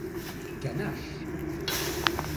Ganache!